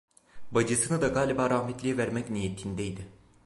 Bacısını da galiba rahmetliye vermek niyetindeydi.